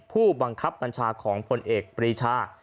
ผู้บังคับบัญชาของพลเอกปรีชา